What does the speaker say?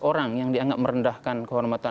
orang yang dianggap merendahkan kehormatan